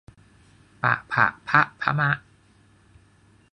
ปะผะพะภะมะ